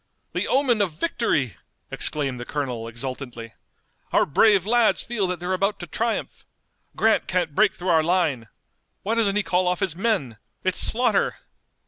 "The omen of victory!" exclaimed the colonel exultantly. "Our brave lads feel that they're about to triumph! Grant can't break through our line! Why doesn't he call off his men? It's slaughter!"